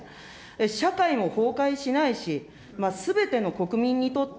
社会も崩壊しないし、すべての国民にとって、